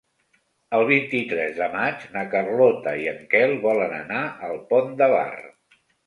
El vint-i-tres de maig na Carlota i en Quel volen anar al Pont de Bar.